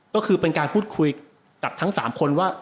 ก็คือเป็นการพูดคุยกับทั้ง๓คนว่า